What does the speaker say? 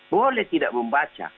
boleh tidak membaca